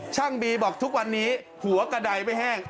ช่างบีบอกทุกวันนี้หัวกระดายไม่แห้ง